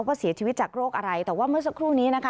ว่าเสียชีวิตจากโรคอะไรแต่ว่าเมื่อสักครู่นี้นะคะ